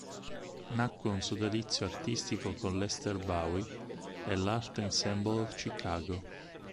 Nacque un sodalizio artistico con Lester Bowie e l'Art Ensemble of Chicago.